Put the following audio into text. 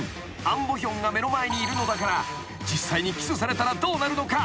アン・ボヒョンが目の前にいるのだから実際にキスされたらどうなるのか？］